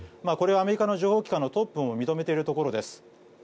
これはアメリカの情報機関のトップも認めているところです。